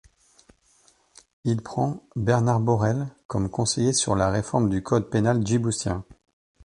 Il prend Bernard Borrel comme conseiller sur la réforme du code pénal djiboutien.